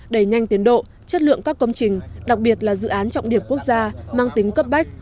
đẩy nhanh tiến độ chất lượng các công trình đặc biệt là dự án trọng điểm quốc gia mang tính cấp bách